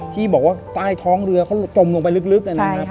ที่บอกว่าใต้ท้องเรือเขาจมลงไปลึกนะครับ